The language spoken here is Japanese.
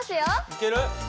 いける？